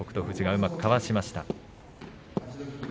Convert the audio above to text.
富士がうまくかわしました。